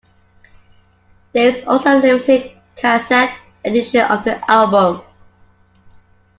There is also a limited cassette edition of the album.